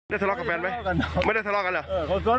ได้สลอกกับแม่นไหมไม่ได้สลอกกันเหรอ